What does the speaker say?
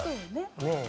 ねえ。